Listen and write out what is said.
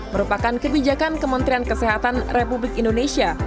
merupakan kebijakan kementerian kesehatan republik indonesia